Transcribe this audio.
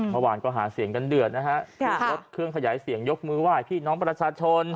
เมื่อวานก็หาเสียงเกั้นเดือดนะฮะยกมือวาดพี่น้องประชาชน